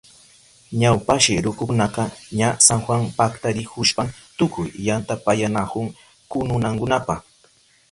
Ñawpashi rukukunaka ña San Juan paktarihushpan tukuy yantapayanahun kununankunapa.